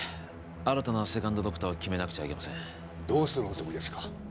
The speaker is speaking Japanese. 新たなセカンドドクターを決めなくてはいけませんどうするおつもりですか？